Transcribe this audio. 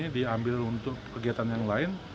diambil untuk kegiatan yang lain